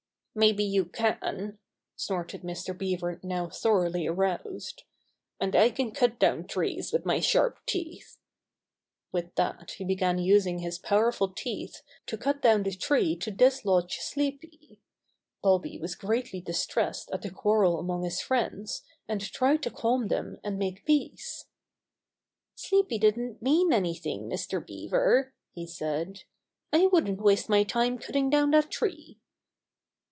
"Maybe you can," snorted Mr. Beaver now thoroughly aroused, "and I can cut down trees with my sharp teeth." With that he began using his powerful teeth to cut down the tree to dislodge Sleepy. Bobby was greatly distressed at the quarrel among his friends, and tried to calm them and make peace. 100 Bobby Gray Squirrel's Adventures "Sleepy didn't mean anything, Mr. Beaver,'* he said. "I wouldn^t v^aste my time cutting dov^n that tree."